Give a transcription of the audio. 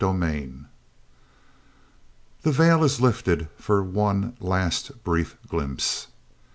CONCLUSION The veil is lifted for one last brief glimpse.